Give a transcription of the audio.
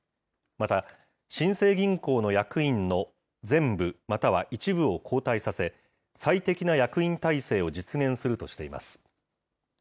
また、新生銀行の役員の全部または一部を交代させ、最適な役員体制を実現するとしています。